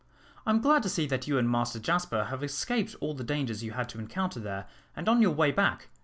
"I am glad to see that you and Master Jasper have escaped all the dangers you had to encounter there and on your way back.